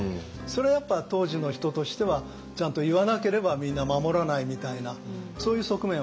それやっぱ当時の人としてはちゃんと言わなければみんな守らないみたいなそういう側面はあったと思います。